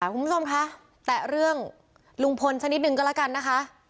คุณผู้ชมคะแตะเรื่องลุงพลสักนิดนึงก็แล้วกันนะคะ